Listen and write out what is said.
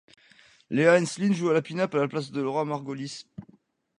Lea Enslin joue la pin-up à la place de Laura Margolis.